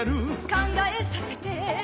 「考えさせて」